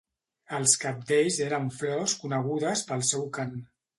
Els cabdells eren flors conegudes pel seu cant.